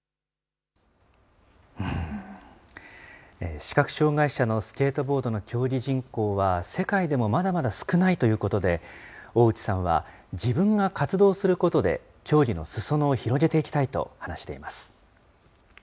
視覚障害者のスケートボードの競技人口は、世界でもまだまだ少ないということで、大内さんは、自分が活動することで、競技のすそ野を広げていきたいと話しています。